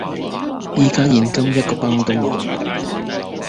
依家現金一個鏰都冇